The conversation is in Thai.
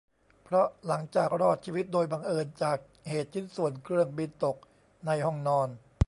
เพราะหลังจากรอดชีวิตโดยบังเอิญจากเหตุชิ้นส่วนเครื่องบินตกในห้องนอน